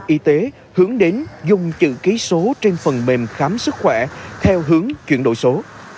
y tế hướng đến dùng chữ ký số trên phần mềm khám sức khỏe theo hướng chuyển đổi số